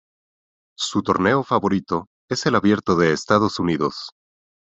Su torneo favorito es el Abierto de Estados Unidos.